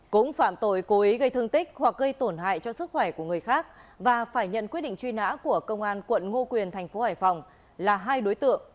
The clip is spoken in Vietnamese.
cũng phạm tội cố ý gây thương tích hoặc gây tổn hại cho sức khỏe của người khác và phải nhận quyết định truy nã của công an quận ngô quyền thành phố hải phòng là hai đối tượng